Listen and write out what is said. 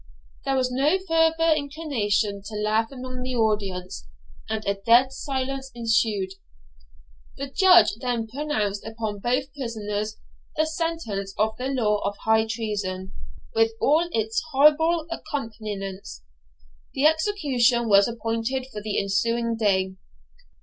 There was no farther inclination to laugh among the audience, and a dead silence ensued. The Judge then pronounced upon both prisoners the sentence of the law of high treason, with all its horrible accompaniments. The execution was appointed for the ensuing day.